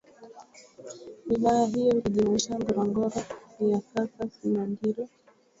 Wilaya hiyo ilijumuisha Ngorongoro ya sasa Simanjiro Longido na Monduli ambayo kwa mara ya